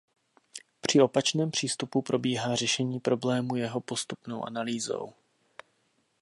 Při opačném přístupu probíhá řešení problému jeho postupnou analýzou.